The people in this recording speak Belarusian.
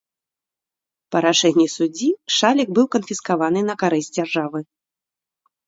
Па рашэнні суддзі шалік быў канфіскаваны на карысць дзяржавы.